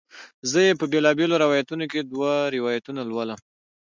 زه یې په بیلابیلو روایتونو کې دوه روایتونه لولم.